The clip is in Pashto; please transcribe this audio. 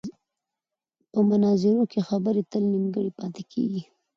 په مناظرو کې خبرې تل نیمګړې پاتې کېږي.